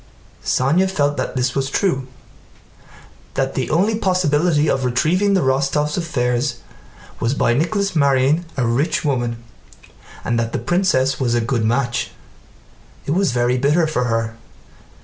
Sónya felt that this was true: that the only possibility of retrieving the Rostóvs' affairs was by Nicholas marrying a rich woman, and that the princess was a good match. It was very bitter for her.